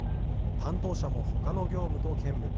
担当者もほかの業務と兼務。